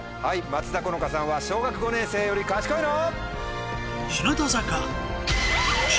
松田好花さんは小学５年生より賢いの？